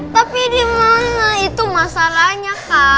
tapi dimana itu masalahnya